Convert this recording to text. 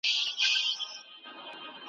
له ازل سره په جنګ یم پر راتلو مي یم پښېمانه ,